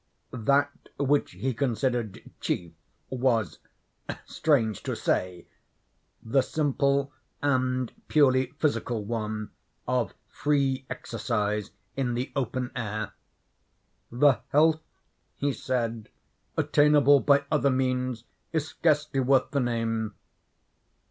That which he considered chief was (strange to say!) the simple and purely physical one of free exercise in the open air. "The health," he said, "attainable by other means is scarcely worth the name."